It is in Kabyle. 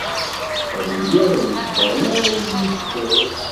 Ad iliɣ wejdeɣ mi ara iyi-tesrid.